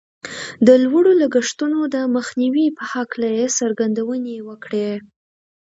د لوړو لګښتونو د مخنیوي په هکله یې څرګندونې وکړې